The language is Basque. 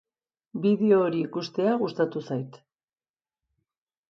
Bideo hori ikustea gustatu zait.